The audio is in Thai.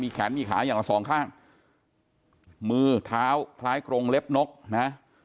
มีแขนมีขายังละ๒ข้างมือเท้าพลายกรงเล็บหนกนะ